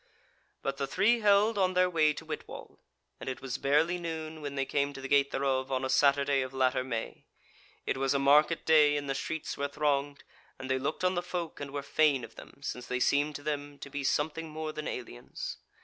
But the three held on their way to Whitwall, and it was barely noon when they came to the gate thereof on a Saturday of latter May, It was a market day, and the streets were thronged, and they looked on the folk and were fain of them, since they seemed to them to be something more than aliens.